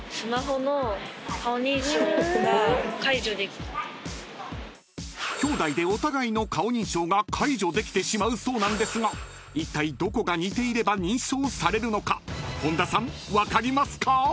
［きょうだいでお互いの顔認証が解除できてしまうそうなんですがいったいどこが似ていれば認証されるのか本田さん分かりますか？］